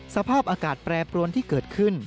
สภาพอากาศแปรปรวนที่เกิดขึ้น